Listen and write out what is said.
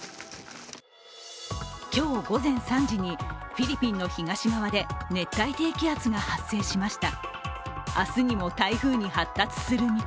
今日午前３時にフィリピンの東側で熱帯低気圧が発生しました。